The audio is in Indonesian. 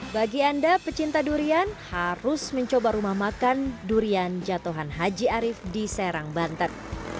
bagi anda pecinta durian harus mencoba rumah makan durian jatuhan haji arief di serang banten